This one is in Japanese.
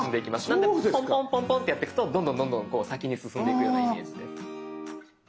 なのでポンポンポンポンってやってくとどんどんどんどん先に進んでいくようなイメージです。